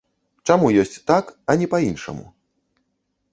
Чаму ёсць так, а не па-іншаму?